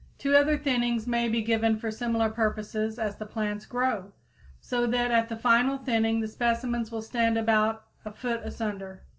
Two other thinnings may be given for similar purposes as the plants grow, so that at the final thinning the specimens will stand about a foot asunder.